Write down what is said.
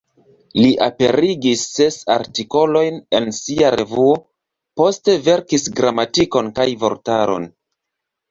Li aperigis ses artikolojn en sia revuo; poste verkis gramatikon kaj vortaron.